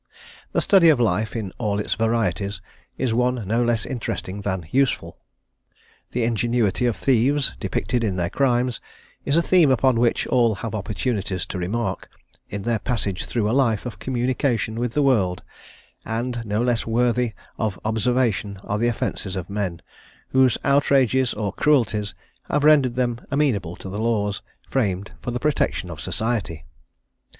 The study of life, in all its varieties, is one no less interesting than useful. The ingenuity of thieves, depicted in their crimes, is a theme upon which all have opportunities to remark, in their passage through a life of communication with the world; and no less worthy of observation are the offences of men, whose outrages or cruelties have rendered them amenable to the laws, framed for the protection of society.